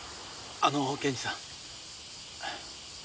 あの検事さん。